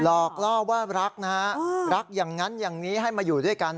หลอกล่อว่ารักนะฮะรักอย่างนั้นอย่างนี้ให้มาอยู่ด้วยกัน